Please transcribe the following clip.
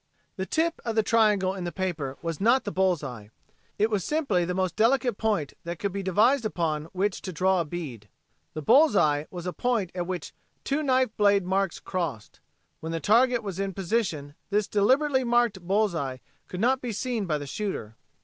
The tip of the triangle in the paper was not the bull's eye. It was simply the most delicate point that could be devised upon which to draw a bead. The bull's eye was a point at which two knife blade marks crossed. When the target was in position this delicately marked bull's eye could not be seen by the shooter.